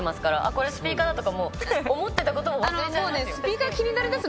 「これスピーカーだ」とか思ってたことも忘れちゃいますよ。